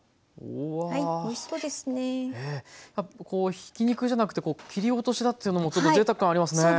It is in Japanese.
ひき肉じゃなくて切り落としだというのもちょっとぜいたく感ありますね。